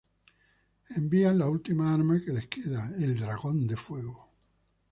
Envían la última arma que les queda: el dragón de fuego.